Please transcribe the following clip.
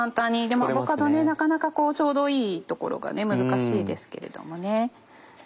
でもアボカドなかなかちょうどいいところが難しいですけれどもね。